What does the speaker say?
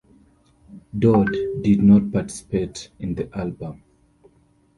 Dodd did not participate in the album.